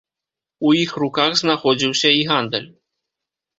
У іх руках знаходзіўся і гандаль.